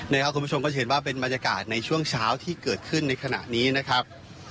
นี่ครับคุณผู้ชมก็จะเห็นว่าเป็นบรรยากาศในช่วงเช้าที่เกิดขึ้นในขณะนี้นะครับ